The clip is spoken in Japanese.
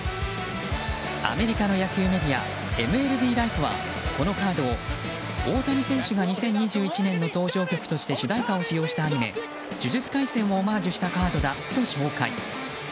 アメリカの野球メディアＭＬＢＬｉｆｅはこのカードを、大谷選手が２０２１年の登場曲として主題歌を使用したアニメ「呪術廻戦」をオマージュしたカードだと紹介。